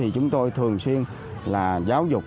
chúng tôi thường xuyên là giáo dục